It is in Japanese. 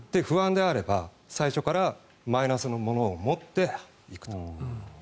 不安であれば最初からマイナスのものを持っていくと。